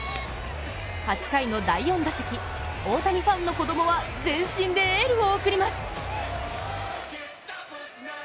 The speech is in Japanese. ８回の第４打席、大谷ファンの子供は全身でエールを送ります。